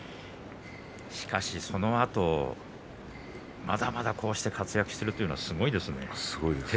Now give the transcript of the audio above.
そのあと、まだまだ活躍しているというのはすごいですね。